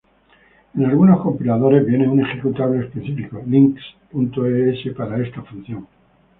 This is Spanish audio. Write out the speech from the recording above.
En algunos compiladores viene un ejecutable específico link.exe para esta función.